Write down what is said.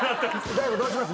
大悟どうします？